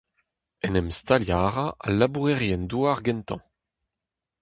En em staliañ a ra al labourerien-douar gentañ.